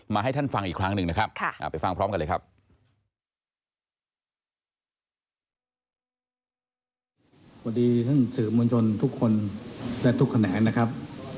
ให้ท่านฟังอีกครั้งหนึ่งนะครับไปฟังพร้อมกันเลยครับ